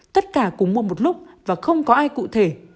tất cả cùng mua một lúc và không có ai cụ thể